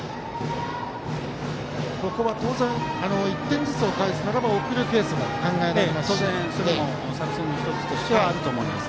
ここは当然、１点ずつ返すならば送るケースも考えられます。